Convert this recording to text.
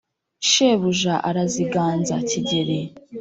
Shebuja araziganza Kigeli! »